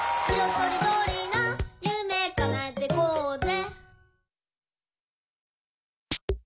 とりどりなゆめかなえてこうぜ！」